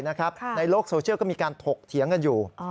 ในโลกโซเชียลก็มีการถกเถียงกันอยู่